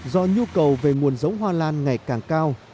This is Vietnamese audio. do nhu cầu về nguồn giống hoa lan ngày càng cao